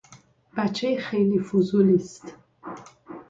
بچۀ خیلی فضولیست